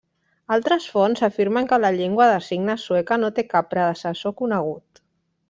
Altres fonts afirmen que la llengua de signes sueca no té cap predecessor conegut.